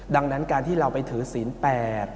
ดังนั้นการที่เราไปถือศีลแปด